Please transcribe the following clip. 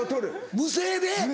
無声で？